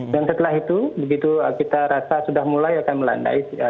dan setelah itu begitu kita rasa sudah mulai akan melandai